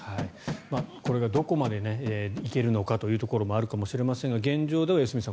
これがどこまでいけるのかというところもあるかもしれませんが現状では良純さん